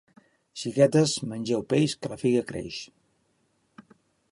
Xiquetes, mengeu peix que la figa creix!